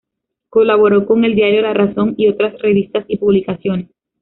Colaboró con el diario La Razón y otras revistas y publicaciones.